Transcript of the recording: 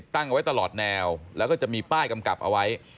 ตั้งเอาไว้ตลอดแนวแล้วก็จะมีป้ายกำกับเอาไว้